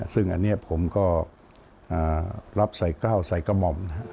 ซึ่งอันนี้ผมก็รับใส่กล้าวใส่กระหม่อม